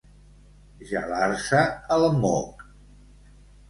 Gelar-se el moc.